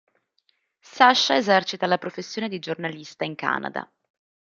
Sacha esercita la professione di giornalista in Canada.